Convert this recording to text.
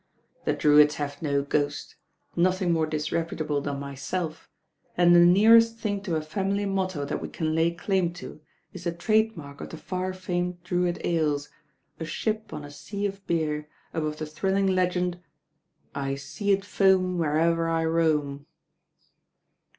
"The Drewitts have no ghost, nothing more dis reputable than myself, and the nearest thing to a family motto that we can lay claim to is the trade mark of the far famed Drewitt Ales, a ship on a sea of beer above the thrilling legend: " *I see it foam Where'er I roam.'